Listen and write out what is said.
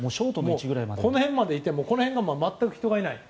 この辺までいて全く人がいない。